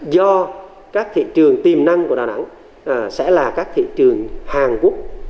do các thị trường tiềm năng của đà nẵng sẽ là các thị trường hàn quốc